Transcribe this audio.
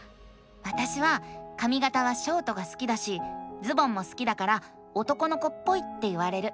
わたしはかみがたはショートが好きだしズボンも好きだから男の子っぽいって言われる。